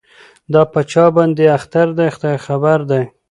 دا په چا باندي اختر دی خداي خبر دی